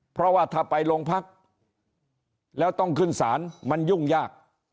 เพราะว่าถ้าไปโรงพักแล้วต้องขึ้นศาลมันยุ่งยาก